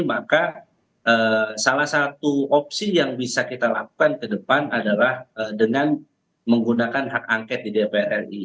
maka salah satu opsi yang bisa kita lakukan ke depan adalah dengan menggunakan hak angket di dpr ri